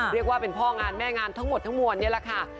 เรียกว่าเป็นพ่องานแม่งานทั้งหมดทั้งมวลนี่แหละค่ะ